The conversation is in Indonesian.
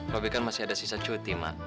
robby kan masih ada sisa cuti